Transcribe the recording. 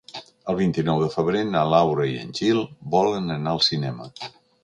El vint-i-nou de febrer na Laura i en Gil volen anar al cinema.